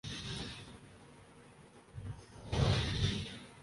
فواد اور دپیکا کی خفیہ چھٹیاں